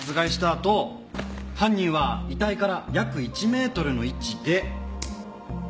あと犯人は遺体から約１メートルの位置で。